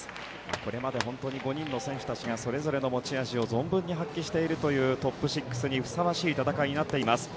これまで５人の選手たちがそれぞれの持ち味を存分に発揮しているというトップ６にふさわしい戦いになっています。